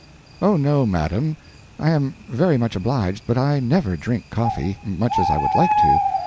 "Oh no, madam, I am very much obliged, but I never drink coffee, much as I would like to.